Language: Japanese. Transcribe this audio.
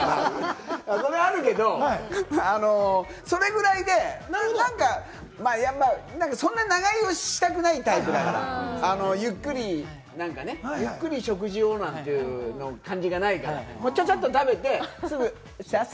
それはあるけど、それぐらいで、そんなに長居したくないタイプだからゆっくり、ゆっくり食事をなんていう感じがないから、ちゃちゃっと食べて、すぐ。